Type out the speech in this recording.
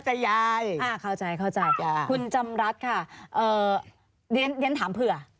แต่ยายเข้าใจเข้าใจคุณจำรัฐค่ะเอ่อเรียนถามเผื่อ